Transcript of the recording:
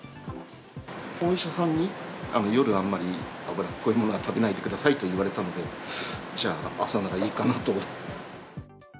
お医者さんに夜、あんまり脂っこいものは食べないでくださいと言われたので、じゃあ朝ならいいかなと。